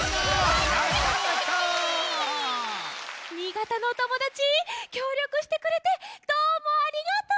新潟のおともだちきょうりょくしてくれてどうもありがとう！